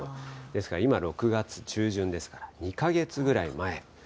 ですから今、６月中旬ですから、２か月ぐらい前。